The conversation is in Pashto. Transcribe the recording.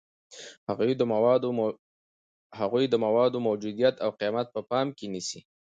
هغوی د موادو موجودیت او قیمت په پام کې نیسي.